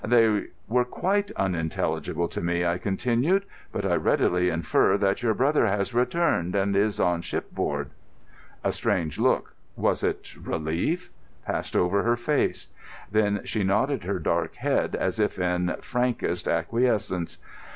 "They were quite unintelligible to me," I continued, "but I readily infer that your brother has returned and is on shipboard." A strange look—was it relief?—passed over her face. Then she nodded her dark head as if in frankest acquiescence.